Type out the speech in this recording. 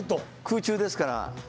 空中ですから。